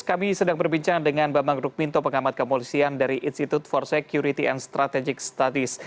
kami sedang berbincang dengan bambang rukminto pengamat kepolisian dari institute for security and strategic studies